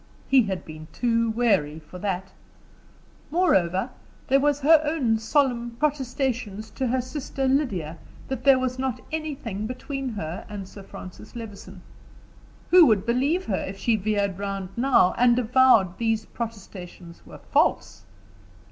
He had been too wary for that. Moreover there was her own solemn protestations to her sister Lydia that there was not anything between her and Francis Levison; who would believe her if she veered round now, and avowed these protestations were false?